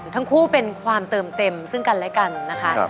ทั้งคู่เป็นความเติมเต็มซึ่งกันและกันนะคะ